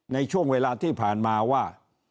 ในช่วงเวลาที่ผ่านมาว่า